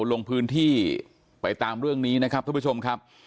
ลงพื้นที่ไปตามเรื่องนี้นะครับท่านผู้ชมครับ